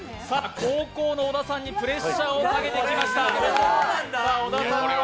後攻の織田さんにプレッシャーをかけてきました。